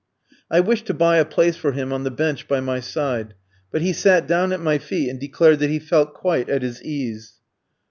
I wished to buy a place for him on the bench by my side; but he sat down at my feet and declared that he felt quite at his ease.